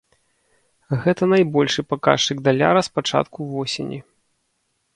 Гэта найбольшы паказчык даляра з пачатку восені.